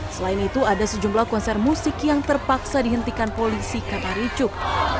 selain itu ada sejumlah konser musik yang terpaksa dihentikan polisi karena ricuk